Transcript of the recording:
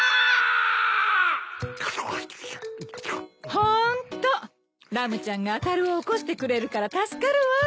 ほんとラムちゃんがあたるを起こしてくれるから助かるわ。